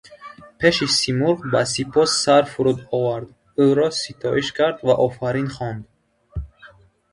Пеши симурғ ба сипос сар фуруд овард, ӯро ситоиш кард ва офарин хонд.